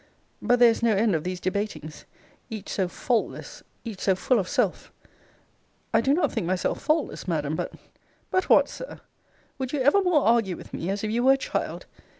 But there is no end of these debatings; each so faultless, each so full of self I do not think myself faultless, Madam: but But what, Sir! Would you ever more argue with me, as if you were a child?